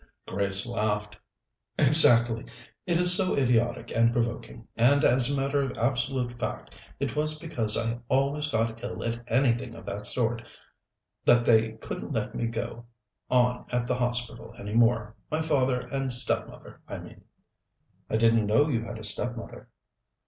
Grace laughed. "Exactly. It is so idiotic and provoking, and, as a matter of absolute fact, it was because I always got ill at anything of that sort that they couldn't let me go on at the hospital any more my father and stepmother, I mean." "I didn't know you had a stepmother."